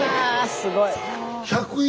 すごい。